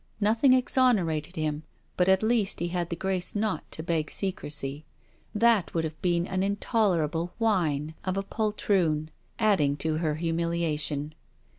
Nothing exonerated him, but at least he had the grace not to beg secresy. That would have been an intolerable whine of a poltroon, adding to her humiliation.